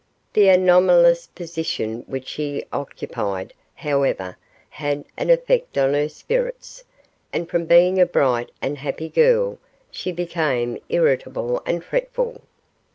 The anomalous position which she occupied, however, had an effect on her spirits, and from being a bright and happy girl, she became irritable and fretful.